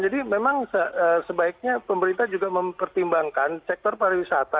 jadi memang sebaiknya pemerintah juga mempertimbangkan sektor pariwisata